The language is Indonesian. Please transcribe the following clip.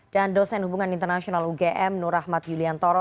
dan dosen hubungan internasional ugm nur rahmat yuliantoro